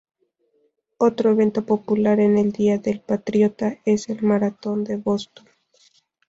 Otro evento popular en el Día del Patriota es el maratón de Boston.